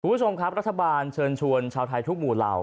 คุณผู้ชมครับรัฐบาลเชิญชวนชาวไทยทุกหมู่เหล่า